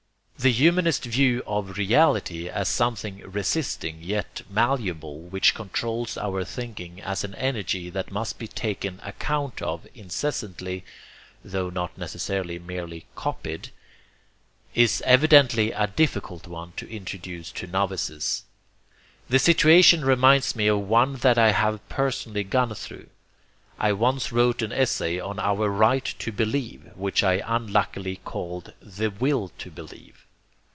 The humanist view of 'reality,' as something resisting, yet malleable, which controls our thinking as an energy that must be taken 'account' of incessantly (tho not necessarily merely COPIED) is evidently a difficult one to introduce to novices. The situation reminds me of one that I have personally gone through. I once wrote an essay on our right to believe, which I unluckily called the WILL to Believe.